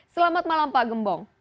selamat malam pak gembong